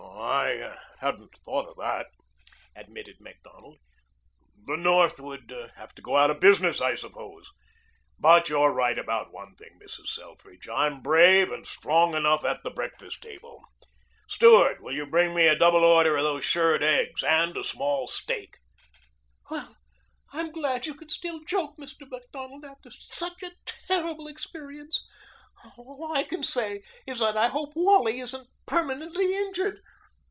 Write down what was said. "I hadn't thought of that," admitted Macdonald. "The North would have to go out of business, I suppose. But you're right about one thing, Mrs. Selfridge. I'm brave and strong enough at the breakfast table. Steward, will you bring me a double order of these shirred eggs and a small steak?" "Well, I'm glad you can still joke, Mr. Macdonald, after such a terrible experience. All I can say is that I hope Wally isn't permanently injured.